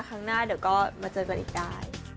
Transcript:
ครั้งหน้าเดี๋ยวก็มาเจอกันอีกได้